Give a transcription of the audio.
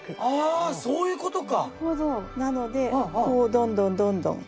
あそういうことか！